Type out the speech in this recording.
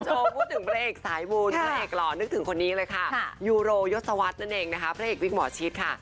โชคก็วัดถึงพลายโรยสวรรท์นั่นเองนะคะพลายโรยการวิ่งหมอชิศค่ะ